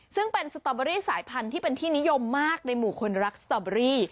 ซึ่งเป็นสตอเบอรี่สายพันธุ์ที่เป็นที่นิยมมากในหมู่คนรักสตอเบอรี่